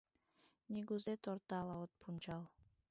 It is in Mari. Нигузе тортала от пунчал